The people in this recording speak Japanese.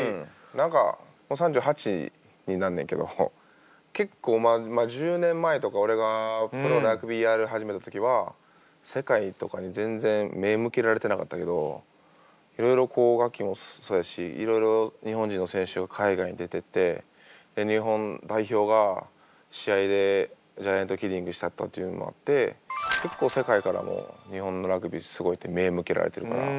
何かもう３８になんねんけど結構１０年前とか俺がプロでラグビーやり始めた時は世界とかに全然目ぇ向けられてなかったけどいろいろこうガッキーもそうやしいろいろ日本人の選手が海外に出てってで日本代表が試合でジャイアントキリングしたったっていうのもあって結構世界からも日本のラグビーすごいって目ぇ向けられてるから。